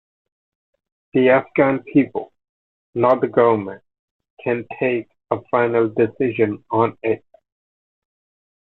The Afghan people, not the government, can take a final decision on it.